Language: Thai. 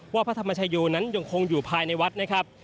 พระธรรมชโยนั้นยังคงอยู่ภายในวัดนะครับ